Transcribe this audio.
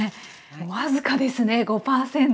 僅かですね５％。